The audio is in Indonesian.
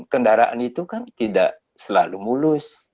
kendaraan itu kan tidak selalu mulus